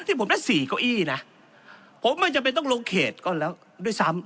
ที่ผมได้สี่เก้าอี้นะผมไม่จำเป็นต้องลงเขตก็แล้วด้วยซ้ำ